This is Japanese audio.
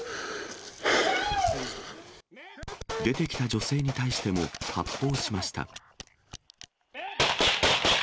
出てきた女性に対しても発砲しました。